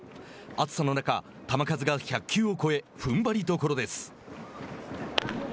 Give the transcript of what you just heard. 暑さの中、球数が１００球を超えふんばりどころです。